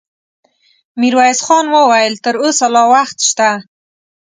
ميرويس خان وويل: تر اوسه لا وخت شته.